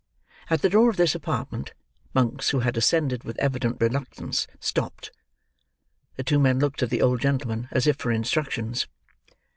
At the door of this apartment, Monks, who had ascended with evident reluctance, stopped. The two men looked at the old gentleman as if for instructions.